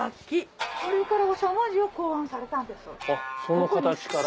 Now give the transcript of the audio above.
その形から？